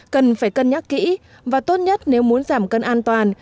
cần phải cân nhắc kỹ và tốt nhất nếu muốn giảm cân an toàn